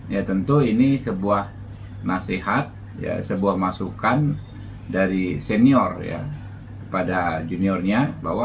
ya tentu ini sebuah nasihat sebuah masukan dari senior ya kepada juniornya bahwa